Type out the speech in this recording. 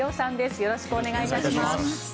よろしくお願いします。